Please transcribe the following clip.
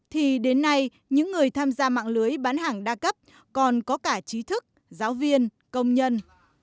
thì đến nay những người tham gia mạng lưới bán hàng đa cấp còn có cả trí thức giáo viên công nhân